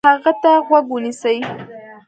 هغه ته غوږ ونیسئ،